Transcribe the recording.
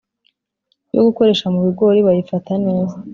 yo gukoresha mu bigori bayifata neza